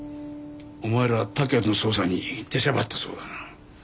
お前ら他県の捜査に出しゃばったそうだな。